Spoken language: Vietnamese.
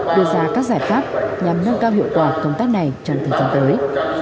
đưa ra các giải pháp nhằm nâng cao hiệu quả công tác này trong thời gian tới